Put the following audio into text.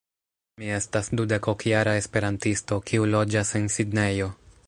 Mi estas dudek-ok jara Esperantisto, kiu loĝas en Sidnejo.